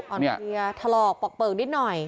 ออนเตียถลอกปลอกเปลืองนิดหน่อย